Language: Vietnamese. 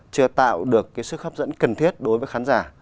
chưa tạo được cái sức hấp dẫn cần thiết đối với khán giả